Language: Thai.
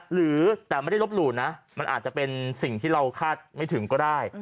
หรือแต่ไม่ได้ลบหลู่นะมันอาจจะเป็นสิ่งที่เราคาดไม่ถึงก็ได้